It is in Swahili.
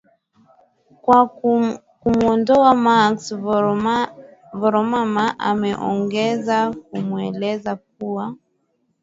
kwa kumuondoa mark voramama wameongeza wameeleza kuwa